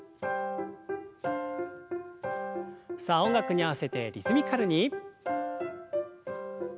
さあ音楽に合わせてリズミカルに。